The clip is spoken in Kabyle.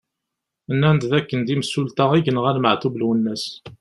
Nnan-d d akken d imsulta i yenɣan Maɛtub Lwennas.